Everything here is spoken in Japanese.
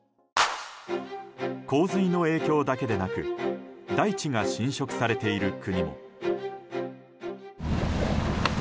洪水の影響だけでなく大地が浸食されている国も。